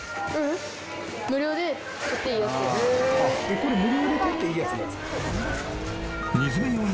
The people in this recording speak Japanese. これ無料で取っていいやつなんですか。